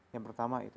yang pertama itu